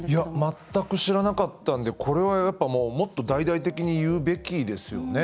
全く知らなかったんでこれは、やっぱりもうもっと大々的に言うべきですよね。